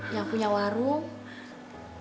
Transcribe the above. yang punya warung